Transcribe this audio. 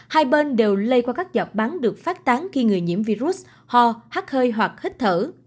hai bên đều lây qua các giọt bắn được phát tán khi người nhiễm virus ho hát hơi hoặc hít thở